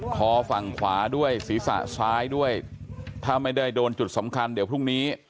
คอฝั่งขวาด้วยศีรษะซ้ายด้วยถ้าไม่ได้โดนจุดสำคัญเดี๋ยวพรุ่งนี้